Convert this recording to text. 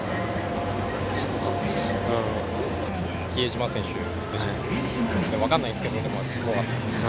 比江島選手でしたっけ、分かんないんですけど、すごかったですね。